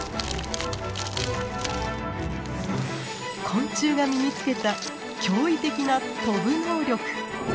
昆虫が身につけた驚異的な飛ぶ能力。